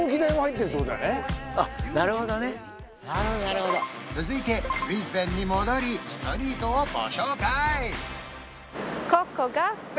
あっなるほどね続いてブリスベンに戻りストリートをご紹介！